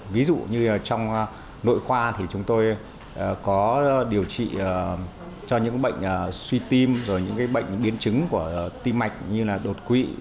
ví dụ như trong nội khoa thì chúng tôi có điều trị cho những bệnh suy tim rồi những bệnh biến chứng của tim mạch như là đột quỵ